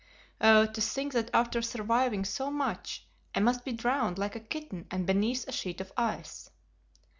Oh! to think that after surviving so much I must be drowned like a kitten and beneath a sheet of ice.